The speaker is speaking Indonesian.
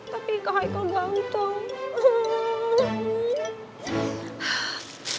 tapi ke haikal ganteng